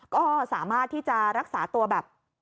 ก็สามารถที่จะรักษาตัวแบบ